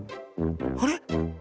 あれ？